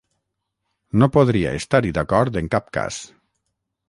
No podria estar-hi d’acord en cap cas.